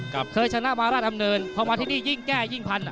เคยชนะมาราชดำเนินพอมาที่นี่ยิ่งแก้ยิ่งพันอ่ะ